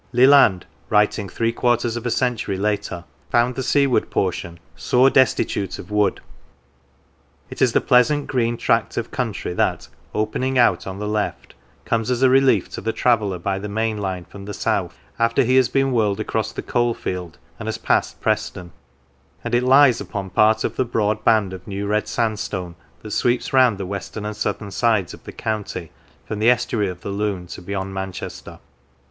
Leland, writing three quarters of a century later, found the seaward portion " sore destitute of wood." It is the pleasant green tract of country that, opening out on the left, comes as a relief to the traveller by the main line from the south, after he has been whirled across the coalfield and has passed Preston; and it lies upon part of the broad band of 223 Lancashire New Red Sandstone that sweeps round the western and southern sides of the county from the estuary of the Lune to beyond Manchester.